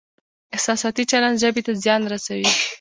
احساساتي چلند ژبې ته زیان رسوي.